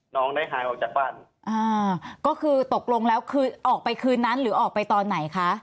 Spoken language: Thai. น้องได้หายออกจากบ้านอ่าก็คือตกลงแล้วคือออกไปคืนนั้นหรือออกไปตอนไหนคะ